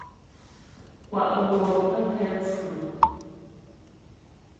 Kwa' wɔ' pə kɛ pfʉ.